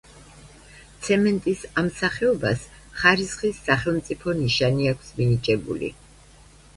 ცემენტის ამ სახეობას ხარისხის სახელმწიფო ნიშანი აქვს მინიჭებული.